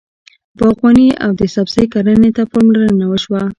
باغواني او د سبزۍ کرنې ته پاملرنه وشوه.